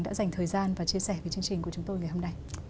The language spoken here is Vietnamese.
đã dành thời gian và chia sẻ với chương trình của chúng tôi ngày hôm nay